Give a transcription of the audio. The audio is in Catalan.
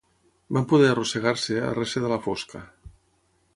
Van poder arrossegar-se a recer de la fosca.